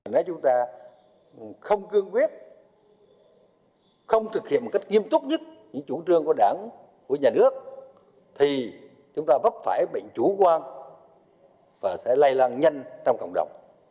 nếu như thế thì chúng ta vấp phải bệnh chủ quan và sẽ lây lan nhanh trong cộng đồng